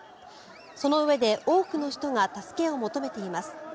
その上で多くの人が助けを求めています。